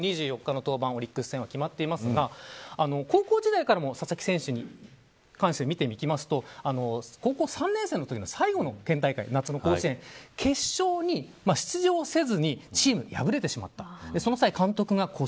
次は２４日のオリックス戦は決まっていますが高校時代からの佐々木選手に関して見ていきますと高校３年生のときの最後の県大会夏の甲子園決勝に出場せずにチームは敗れてしまった。